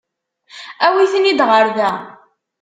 Awi-ten-id ɣer da.